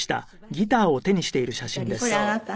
これあなた？